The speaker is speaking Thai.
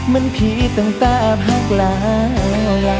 มันผีตั้งแต่พักแล้วล่ะ